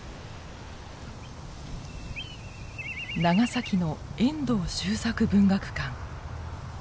長崎の遠藤周作文学館。